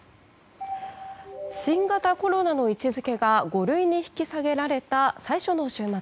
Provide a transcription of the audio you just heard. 新型コロナの位置づけが５類に引き下げられた最初の週末。